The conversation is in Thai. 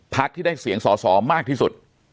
ที่ได้เสียงสอสอมากที่สุด